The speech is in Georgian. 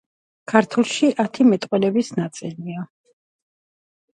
მეცნიერი მივ ლიკის ახალმა აღმოჩენამ ნათელი მოჰფინა კაცობრიობის ბუნდოვან შორეულ წარსულს.